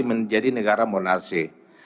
menjadi negara monarsi